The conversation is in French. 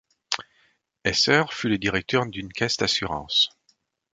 Esser fut directeur d'une caisse d'assurances.